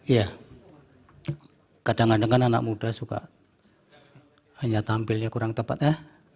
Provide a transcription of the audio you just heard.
ya kadang kadang kan anak muda suka hanya tampil ya kurang tepat ya